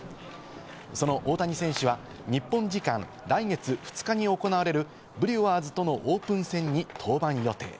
その大谷選手は日本時間来月２日に行われるブリュワーズとのオープン戦に登板予定。